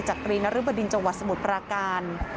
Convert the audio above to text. รีนรึบดินจังหวัดสมุทรปราการ